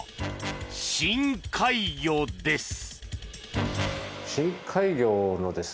深海魚です。